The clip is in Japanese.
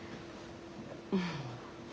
うん。